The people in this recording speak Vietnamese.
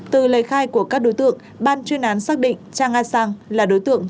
từ lời khai của các đối tượng ban chuyên án xác định trang a sang là đối tượng